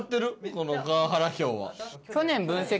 この河原評は。